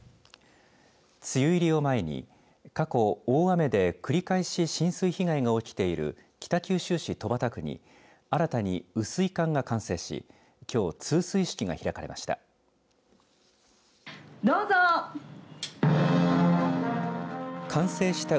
梅雨入りを前に過去、大雨で繰り返し浸水被害が起きている北九州市戸畑区に新たに雨水管が完成しきょう通水式が開かれました。